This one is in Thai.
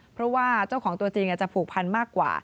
เพราะว่าเจ้าของตัวจริงอาจจะผูกพันมากกว่า